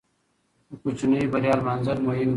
د کوچنۍ بریا لمانځل مهم دي.